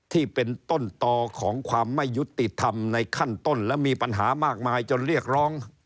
ที่เป็นต้นต่อของความไม่ยุติธรรมในขั้นต้นและมีปัญหามากมายจนเรียกร้อง